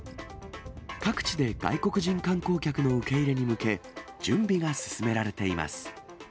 各地で外国人観光客の受け入れに向け、準備が進められています。